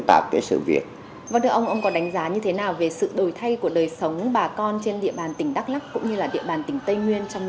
thưa ông ông có đánh giá như thế nào về sự đổi thay của đời sống bà con trên đời dân tộc tây nguyên